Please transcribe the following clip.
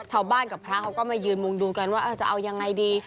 เขาเลยมาเชิญดูกันว่าเอาอยากอะไรดี